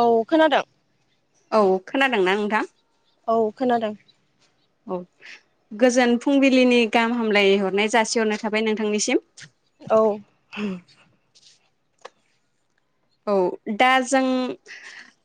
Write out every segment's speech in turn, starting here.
औ खोनादों। औ खोनादोंना नोंथां? औ खोनादों। औ गोजोन फुंबिलिनि गाहाम हामलाय हरनाय जासिहरनाय थाबाय नोंथांनिसिम। औ औ दा जों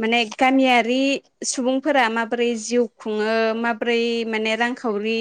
माने गामियारि सुबुंफोरा माबोरै जिउ खुङो माबोरै माने रांखावरि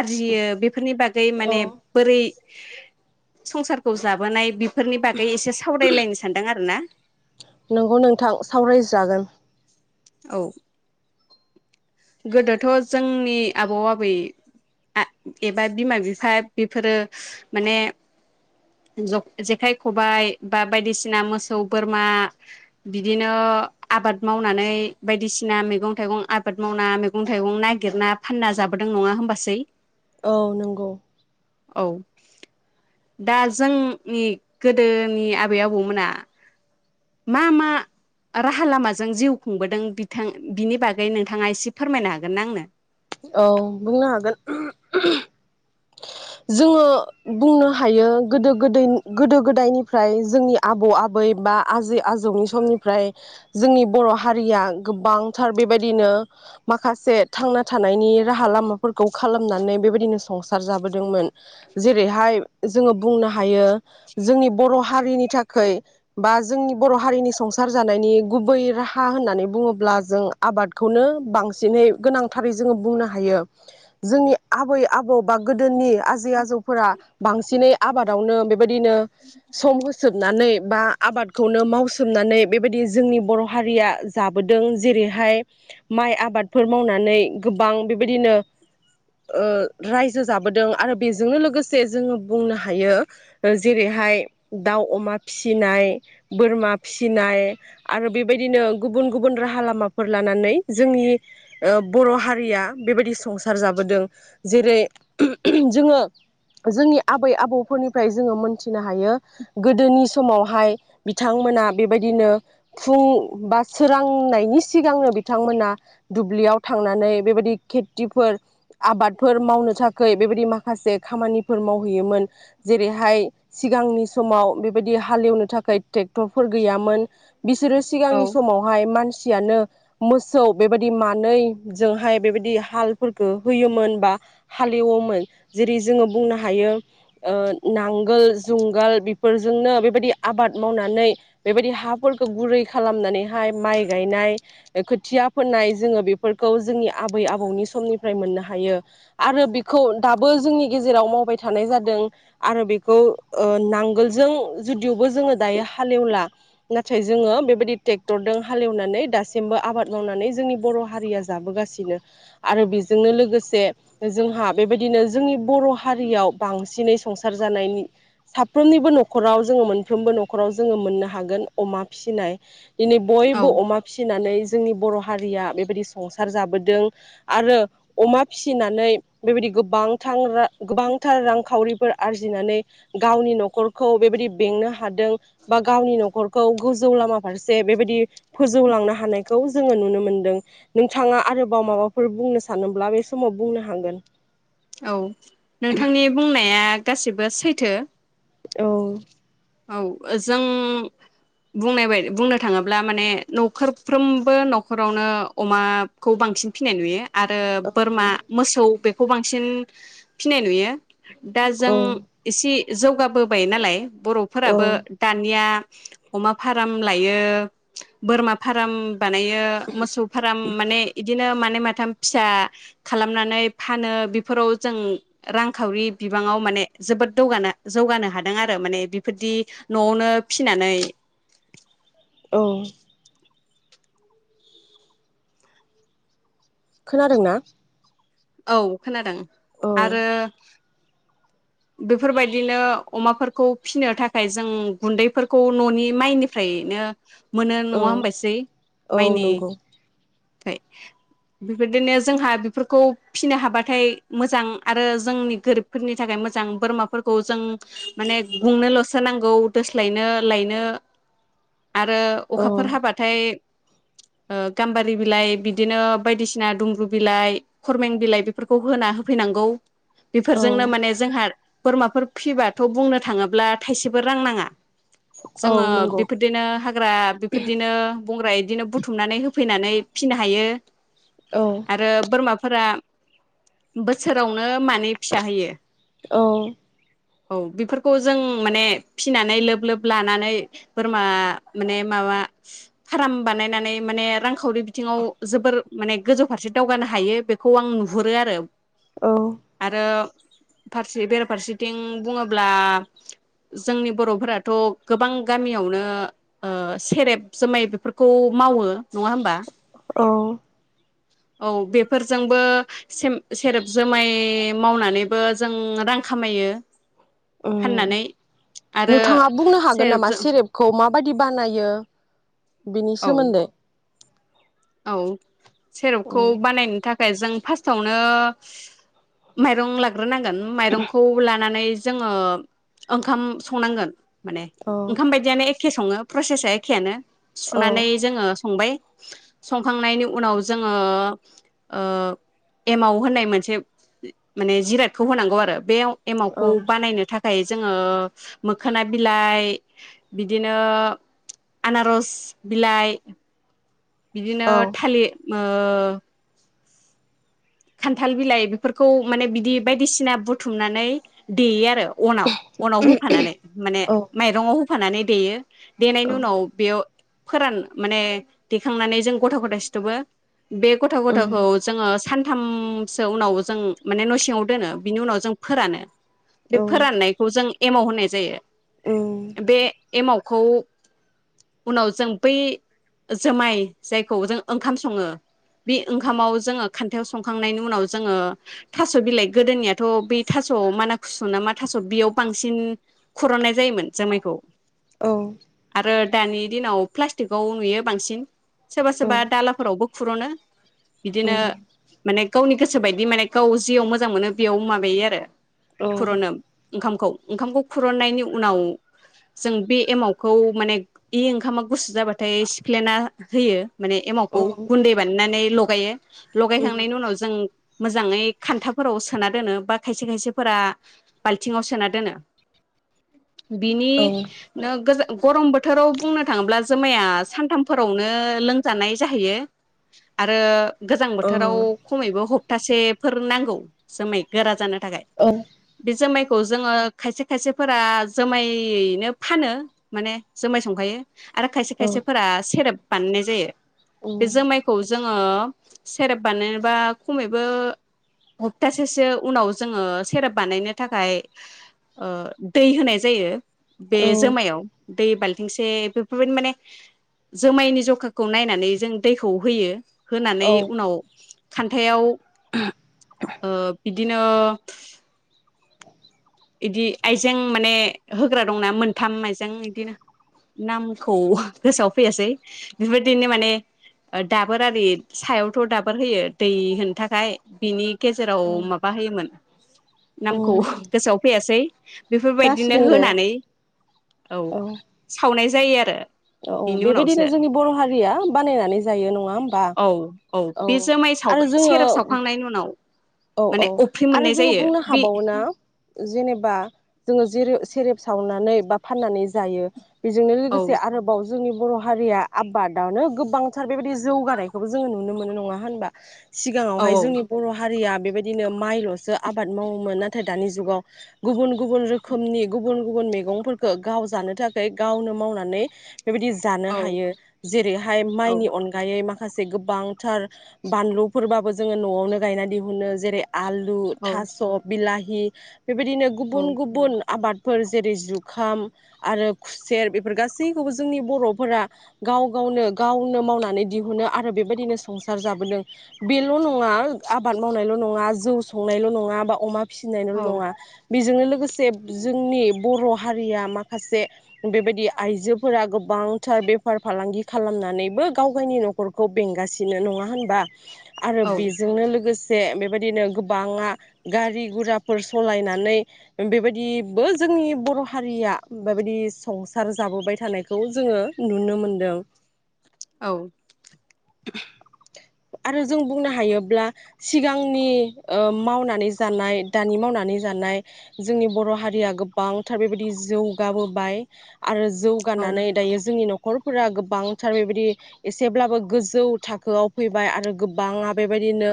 आरजियो बेफोरनि बागै औ माने बोरै संसारखौ जाबोनाय बि फोरनि बागै एसे सावरायलायनो सानदों आरो ना। नोंगौ नोंथां सावरायजागोन। औ गोदोथ' जोंनि आबौ आबै आं एबा बिमा बिफा बेफोरो माने जेखाइ खबाइ खबाइ बायदिसिना मोसौ बोरमा बिदिनो आबाद मावनानै बायदिसिना मैगं थाइगं आबाद मावना मैगं थाइगं नागिरना फानना जाबोदों नङा होनबासै? औ नंगौ। औ दा जोंनि गोदोनि आबै आबौमोना मा मा राहा लामाजों जिउ खुंबोदों बिथां बिनि बागै नोंथ थाङा एसे फोरमायनो हागोन ना आंनो? औ बुंनो हागोन। [unintelligible] जोङो बुंनो हायो गोदो गोद गोदो गोदायनिफ्राय जोंनि आबौ आबै बा आजै आजौनि समनिफ्राय जोंनि बर' हारिया गोबांथार बेबायदिनो माखासे थांना थानायनि राहा लामाफोरखौ खालामनानै बेबायदिनो संसार जाबोदोंमोन जेरैहाय जोङो बुंनो हायो जोंनि बर' हारिनि थाखैय बा जोंनि बर' हारिनि संसार जानायनि गुबै राहा होननानै बुङोब्ला जों आबादखौनो बांसिनै गोनांथारै जोङो बुंनो हायो। जोंनि आबै आबौ बा गोदोनि आजै आजौफोरा बांसिनै आबादावनो बेबायदिनो सम होसोबनानै बा आबादखौनो मावसोमनानै बेबायदि जोंनि बर' हारिया जाबोदों जेरैहाय माइ आबादफोर मावनानै गोबां बेबायदिनो ओ रायजो जाबोदों आरो बेजोंनो लोगोसे जोङो बुंनो हायो जेरैहाय दाव अमा फिसिनाय बोरमा फिसिनाय आरो बेबायदिनो गुबुन गुबुन राहा लामाफोर लानानै जोंनि बर' हारिया बेबायदि संसार जाबोदों। जेरै जोङो जोंनि आबै आबौफोरनिफ्राय जोङो मोनथिनो हायो। गोदोनि समावहाय बिथांमोना बेबायदिनो फुं बा सोरांनायनि सिगांनो बिथांमोना दुब्लियाव थांनानै बेबायदि खेथिफोर आबाद फोर मावनो थाखाय बेबायदि माखासे खामानिफोर मावहैयोमोन जेरैहाय सिगांनि समाव बेबायदि हालेवनो थाखाय ट्रेक्टरफोर गैयामोन। बिसोरो औ सिगांनि समावहाय मानसि मानसियानो मोसौ बेबायदि मानै जोंहाय बेबायदि हालफोरखौ होयोमोन बा हालेवोमोन जेरै जोङो बुंनो हायो ओ नांगोल जुंगाल बेफोरजोंनो बेबायदि आबाद मावनानै बेबायदि हाफोरखौ गुरै खालामनानैहाय माइ गायनाय खोथिया फोनाय जोङो बेफोरखौ जोंनि आबै आबौनि समनिफ्राय मोननो हायो। आरो बेखौ दाबो जोंनि गेजेराव मावबाय थानाय जादों आरो बेखौ ओ नांगोलजों जुदियावबो जोङो दायो हालेवला नाथाय जोङो बेबायदि ट्रेक्टरजों हालेवनानै दासिमबो आबाद मावनानै जोंनि बर' हारिया जाबोगासिनो आरो बेजोंनो लोगोसे जोंहा बेबायदिनो जोंनि बर' हारियाव बांसिनै संसार जानायनि साफ्रोमनिबो न'खराव जोङो मोनफ्रोमबो न'खराव जोङो मोननो हागोन अमा फिसिनाय दिनै औ बयबो अमा फिसिनानै जोंनि बर' हारिया बेबायदि संसार जाबोदों आरो अमा फिसिनानै बेबायदि गोबांथां गोबांथार रांखावरिफोर आरजिनानै गावनि नखरखौ बेबायदि बेंनो हादों बा गावनि नखरखौ गोजौ लामा फारसे बेबायदि फोजौलांनो हानायखौ जोङो नुनो मोनदों ।नोंथाङा आरोबाव माबाफोर बुंनो सानोब्ला बे समाव बुंनो हागोन। [unintelligible] औ नोंथांनि बुंनाया गासिबो सैथो औ। औ जों बुंनाय बाय बुंनो थाङोब्ला माने नख'रफ्रोमबो नख'रावनो अमाखौ बांसिन फिनाय नुयो । आरो औ बोरमा मोसौ बे खौ बांसिन फिसिनाय नुयो दा औ जों एसे जौगाबोबाय नालाय बर' फोराबो दानिया अमा फार्म लायो बोरमा फार्म बानायो मोसौ फाराम माने इद बिदिनो मानै माथाम फिसा खालामनानै फानो बेफोराव जों रांखावरि बिबाङाव माने जोबोद दौगानो जौगानो हादों आरो माने बि बेफोरदि न'आवनो फिसिनानै औ खोनादों ना? औ खोनादों। आरो बेफोरबायदिनो अमाफोरखौ फिसिनो थाखाय जों गुन्दैफोरखौ न'नि माइनिफ्रायनो मोनो नङा औ होनबायसै औ माइनि नंगौ बेबायदिनो जोंहा बेफोरखौ फिसिनो हाबाथाय मोजां आरो जोंनि गोरिबफोरनि थाखाय मोज मोजां बोरमाफोरखौ जों माने गुंनोलसो नांगौ दोस्लायनो लायनो। आरो औ अखाफोर हाबाथाय ओ गाम्बारि बिलाइ बिदिनो बायदिसिना दुमब्रु बिलाइ खरमें बिलाइ बेफोरखौ होना होफैनांगौ। औ बेफोरजोंनो माने जोंहा बोरमाफोर फिसिबाथ' बुंनो थाङोब्ला थाइसेबो रां नाङा औ जोङो नंगौ बेफोरदिनो हाग्रा बेफोरदिनो बंग्रा बिदिनो बुथुमनानै हो फैनानै फिसिनो हायो औ आरो बोरमा फोरा बोसोरावनो मानै फिसा होयो । औ। औ बेफोरखौ जों माने फिसिनानै लोब लोब लानानै बोरमा माने माबा फाराम बानायनानै माने रां खावरि बिथिङाव जोबोर माने गोजौ फारसे दावगानो हायो बेखौ आं नुहुरो आरो। आरो फारसे बेराफारसेथिं बुङोब्ला जोंनि बर'फोराथ' गोबां गामियावनो ओ सेरेब जुमाय बेफोरखौ मावो नङा होमबा? औ औ बेफोरजोंबो सेम सेरेब जोमाय मावनानैबो जों रां खामायो। ओम फाननानै आरो नोंथाङा बुंनो हागोन नामा सेरेबजों सेरेपखौ माबायदि बानाय यो बिनि औ सोमोन्दै औ औ सेरेपखौ बानायनो थाखाय जों फास्टावनो माइरं लाग्रोनांगोन। माइरंखौ लानानै जोङो ओंखाम संनांगोन। माने औ ओंखाम बायदियानो एख एखे सङो प्रसेसआ एखेआनो औ सुनानै जोङो संबाय। [inaudible] संखांनायनि उनाव जोङो ओ एमाव होननाय मोनसे माने जिरादखौ होनांगौ आरो बेयाव एमावखौ बानायनो थाख थाखाय जोङो मोखोना बिलाइ, बिदिनो आनारस बिलाइ बिदिनो औ थालि ओ खान्थाल बिलाइ बेफोरखौ माने बिदि बायदिसिना बुथुमनानै देयो आरो अनाव अनाव होफानानै माने माइरंआव होफानै देयो। औ देनायनि उनाव बेयाव फोरान माने दैखांनानै जों गथा गथा सिथबो बे गथा उम गथाखौ जोङो थामसो उनाव जों माने न' सिङाव दोनो बिनि उनाव जों फोरानो। बे औ उम औ फोराननायखौ जों एमाव होननाय जायो। उम बे एमावखौ उनाव जों बै जोमाय जायखौ जों ओंखाम सङो बे ओंखामाव जोङो खान्थायाव संखांनायनि उनाव जोङो थास' बिलाइ गोदोनियाथ' बै थास'आव माना खुसु ना मा थास' बेयाव बांसिन खुरननाय जायोमोन जोमायखौ। औ [unintelligible] दानि दिनाव प्लास्टिकआव नुयो बांसिन। सोरबा सोरबा दालाफोरावबो फुर'नो। बिदिनो उम माने गावनि गोसो बायदि माने गाव जियाव मोजां मोनो बेयाव माबायो आरो औ कुरनोम ओंखामखौ ओंखामखौ खुरन्नायनि उनाव जों बे एमावखौ माने इ ओंखामा गुसु जाबाथाय सिख्लेना होयो। माने औ एमावखौ गुन्दै बानायनानै ल गायो। लगायखांनायनि उनाव जों मोजाङै खान्थाफोराव सोना दोनो बा खायसे खायसेफोरा बाल्थिंआव सोना दोनो। बिनि नो गोजो गरम बोथ खौ बुंनो थाङोब्ला जोमाया सान्थामफोरावनो लोंजानाय जाहैयो आरो गोजां बोथोराव खमैबो ह तासेफोर नांगौ जोमै गोरा जानो थाखाय बे जोमाय खौ जोङो खायसे खायसेफोरा जोमायैनो फानो माने जोमाय संखायो। आरो खायसे औ खायसेफोरा सेरेब बाननाय जायो। बे उम जोमायखौ जों ओ सेरेप बानायनोबा खमैबो हप्तासेसो उनाव जोङो सेरेप बानायनो थाखाय ओ दै होनाय जायो। बे औ जोमायाव। दै बाल्थिंसे बेफोरबायदि माने जोमायनि जखाखौ नायनानै जों दैखौ होयो । होनानै औ उनाव खान्थायाव ओ बिदिन [unintelligible] इदि आइजें माने होग्रा दंना मोन्थाम आइजें इदिनो नामखौ गोसोआव फैयासै बिफोरदिनो माने ओ दाबोर आरि सायावथ' दाबोर होयो दै होनो थाखाय बिनि गेजेराव औ माबा होयोमोन। नामखौ उम गोसोआव फैयासै। बेफोरबायदिनो जासिगोन दे होनानै औ सावनाय जायो आरो। औ बिनि बेबायदिनो उनावसो जोंनि बर' हारिया बानायनानै जायो नङा होमबा? औ औ बे जुमाय साव आरो जोङो सेरेब सावखांनायनि उनाव औ औ माने अफ्रि आरो मोननाय जोङो जायो बुंनो बे हाबावो ना? जेनेबा जोङो जेरे सेरेब सावनानै बा फाननानै जायो। बेजोंनो औ लोगोसे आरोबाव जोंनि बर' हारिया आबादानो गोबांथार बेबायदि जौगानायखौबो जोङो नुनो मोनो नङा होनबा? औ सिगाङावहाय जोंनि बर हारिया बेबायदिनो माइल'सो आबाद मावोमोन नाथाय दानि जुगाव गुबुन गुबुन रोखोमनि गुबुन गुबुन मैगंफोरखौ गाव जानो थाखाय गावनो मावनानै बेबायदि जानो औ हायो जेरैहाय औ माइनि अनगायै माखासे माखासे गोबांथार बानलुफोरबाबो जोङो न'आवनो गायनानै दिहुनो जेरै आलु औ थास' बिलाहि हि बेबायदिनो औ गुबुन गुबुन आबाद फोर जेरै जुखाम आरो खुसेर बेफोर गासैखौबो जोंनि बर'फोरा गाव गावनो गावनो मावनानै दिहुनो आरो बेबायदिनो संसार जाबोदों बेल' नङा आबाद मावनायल' नङा जौ संनायल' नङा बा अमा फिसिनायल' औ नङा बेजोंनो लोगोसे जोंनि बर' हारिया माखासे बेबायदि आइजोफोरा गोबांथार बेफार फालांगि खालामनानैबो गाव गावनि न'खरखौ बेंगासिनो नङा होनबा आरो औ बेजोंनो लोगोसे [unintelligible] बेबायदिनो गोबाङा गारि गुराफोर सालनानै बेबायदिबो जोंनि बर' हारिया बेबायदि संसार जाबोबाय थानायखौ जोङो नुनो मोनदों औ आरो जों बुंनो हायोब्ला सिगांनि मावनानै जानाय दानि मावनानै जानाय जोंनि बर' हारिया गोबांथार बेबायदि जौगाबोबाय आरो जौगानानै दायो जोंनि न'खर न'खरफोरा गोबांथार बेबायदि एसेब्लाबो गोजौ थाखोआव फैबाय आरो गोबाङा बेबायदिनो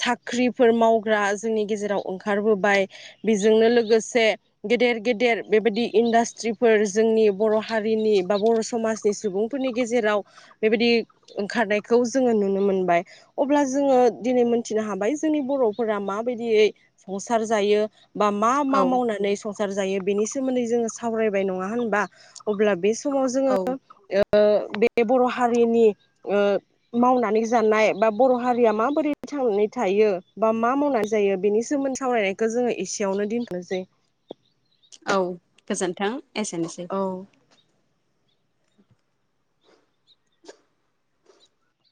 साख्रिफोर मावग्रा जोंनि गेजेराव ओंखारबोबाय बेजोंनो लोगोसे गेदेर गेदेर बेबायदि इन्डास्ट्रिफोर जोंनि बर' हारिनि बा बर' समाजनि सुबुंफोरनि गेजेराव बेबायदि ओंखारनायखौ जोङो नुनो मोनबाय अब्ला जोङो दिनै मोनथिनो हाबाय जोंनि बर'फोरा माबायदियै संसार जायो बा मा औ मा मावनानै सं सार जायो बेनि सोमोन्दै जोङो सावरायबाय नङा होनबा अब्ला बे समाव जोङो औ ओ ओ बे बर' हारिनि ओ मावनानै जानाय बा बर' हारिया माबोरै थांनानै थायो बा मा मावनानै जायो बेनि सोमोन्दै सावरायनायखौ जोङो एसेयावनो दोनथनोसै औ गोजोन्थों एसेनोसै औ